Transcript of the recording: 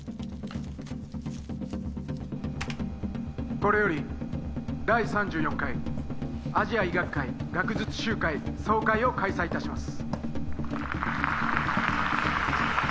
これより第３４回アジア医学会学術集会総会を開催いたします